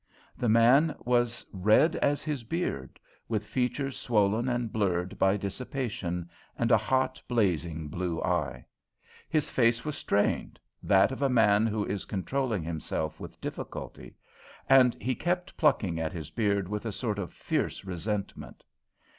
The man was red as his beard, with features swollen and blurred by dissipation, and a hot, blazing blue eye. His face was strained that of a man who is controlling himself with difficulty and he kept plucking at his beard with a sort of fierce resentment.